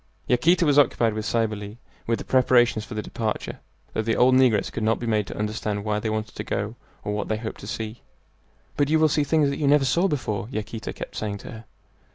Yaquita was occupied with Cybele with the preparations for the departure, though the old negress could not be made to understand why they wanted to go or what they hoped to see. "But you will see things that you never saw before," Yaquita kept saying to her.